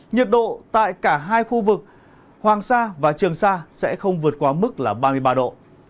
nhiệt độ tại cả hai khu vực hoàng sa và trường sa sẽ không vượt quá mức là ba mươi ba độ